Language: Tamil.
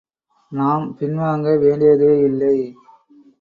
நாம் பின்வாங்க வேண்டியதேயில்லை.